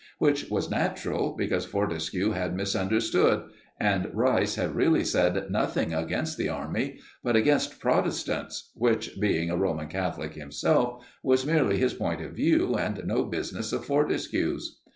Which was natural, because Fortescue had misunderstood, and Rice had really said nothing against the Army, but against Protestants, which, being a Roman Catholic himself, was merely his point of view and no business of Fortescue's.